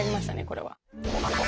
これは。